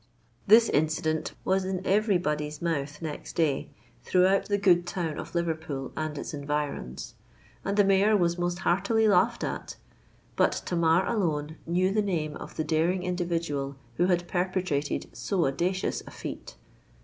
This incident was in every body's mouth next day, throughout the good town of Liverpool and its environs; and the Mayor was most heartily laughed at. But Tamar alone knew the name of the daring individual who had perpetrated so audacious a feat.